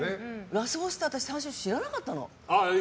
ラスボスって私最初知らなかったの。